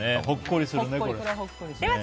ほっこりするね。